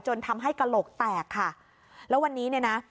ทำให้กระโหลกแตกค่ะแล้ววันนี้เนี่ยนะ